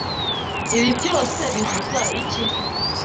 Ibi byose bivuga iki?